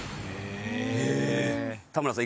田村さん